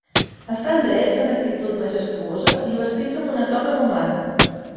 Estan drets en actitud majestuosa i vestits amb una toga romana.